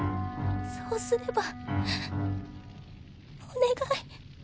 そうすればお願い！